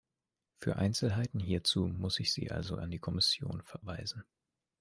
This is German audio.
Für Einzelheiten hierzu muss ich Sie also an die Kommission verweisen.